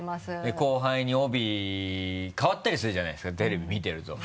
後輩に帯代わったりするじゃないですかテレビ見てると。